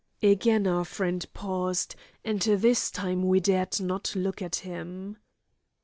Again our friend paused, and this time we dared not look at him.